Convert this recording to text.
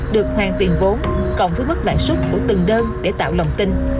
được hoàn tiền vốn cộng với mức lãi suất của từng đơn để tạo lòng tin